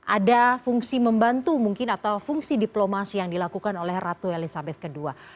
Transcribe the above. ada fungsi membantu mungkin atau fungsi diplomasi yang dilakukan oleh ratu elizabeth ii